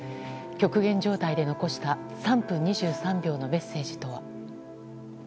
極限状態で残した３分２３秒のメッセージとは。